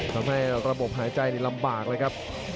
ทำให้ระบบหายใจนี่ลำบากเลยครับ